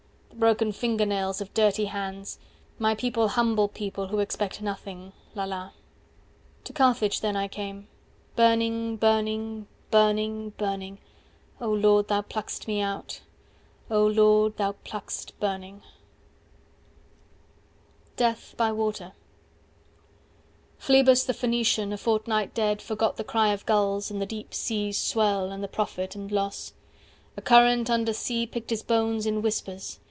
The broken finger nails of dirty hands. My people humble people who expect Nothing." 305 la la To Carthage then I came Burning burning burning burning O Lord Thou pluckest me out O Lord Thou pluckest 310 burning IV. DEATH BY WATER Phlebas the Phoenician, a fortnight dead, Forgot the cry of gulls, and the deep seas swell And the profit and loss. A current under sea 315 Picked his bones in whispers.